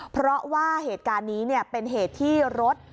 เพราะว่าเหตุการณ์นี้เป็นเหตุที่รถ